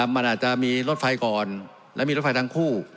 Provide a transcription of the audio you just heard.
มันอาจจะมีรถไฟก่อนและมีรถไฟทั้งคู่